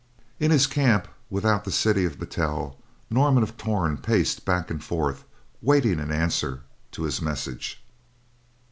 In his camp without the city of Battel, Norman of Torn paced back and forth waiting an answer to his message.